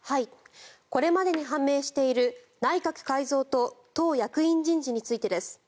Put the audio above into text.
これまでに判明している内閣改造と党役員人事についてです。